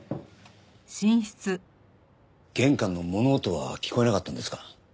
玄関の物音は聞こえなかったんですか？